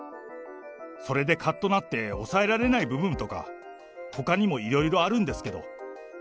それでかっとなって抑えられない部分とか、ほかにもいろいろあるんですけど。